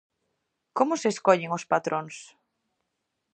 Como se escollen os patróns?